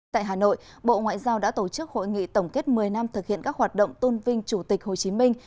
tại hà nội bộ ngoại giao đã tổ chức hội nghị tổng kết một mươi năm thực hiện các hoạt động tôn vinh chủ tịch hồ chí minh